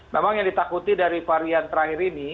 memang yang ditakuti dari varian terakhir ini